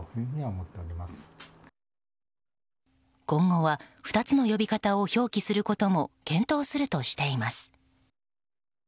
今後は２つの呼び方を表記することも検討するとしています。